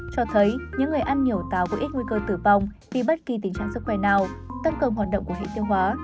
cho thấy những người ăn nhiều tàu có ít nguy cơ tử vong vì bất kỳ tình trạng sức khỏe nào tăng cường hoạt động của hệ tiêu hóa